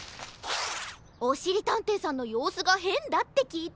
おしりたんていさんのようすがへんだってきいてよ。